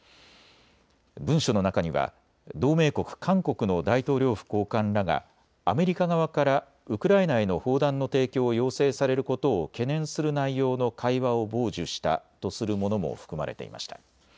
文書の中には同盟国・韓国の大統領府高官らがアメリカ側からウクライナへの砲弾の提供を要請されることを懸念する内容の会話を傍受したとするものも含まれていました。